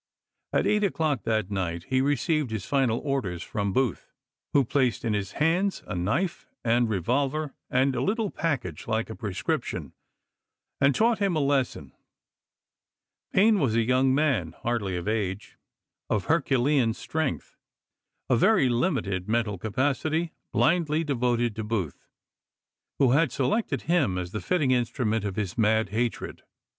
At eight o'clock that night he received his final orders from Booth, who placed in his hands a knife and revolver, and a little package like a prescription, and taught him his lesson. Payne was a young man, hardly of age, of her culean strength, of very limited mental capacity, blindly devoted to Booth, who had selected him as the fitting instrument of his mad hatred.